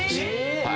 はい。